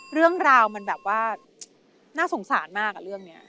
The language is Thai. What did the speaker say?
เรื่องราวมันแบบว่าน่าสงสารมากเรื่องนี้